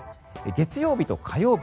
月曜日と火曜日